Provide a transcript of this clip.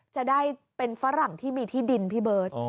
จะได้เป็นฝรั่งที่มีที่ดินพี่เบิร์ต